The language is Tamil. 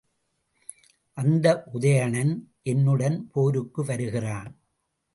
அந்த உதயணன் என்னுடன் போருக்கு வருகிறான்.